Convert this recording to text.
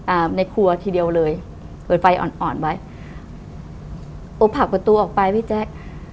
ในครัวทีเดียวเลยเปิดไฟอ่อนอ่อนไว้อบผลักประตูออกไปพี่แจ๊ค